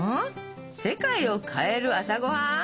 「世界を変える朝ごはん」？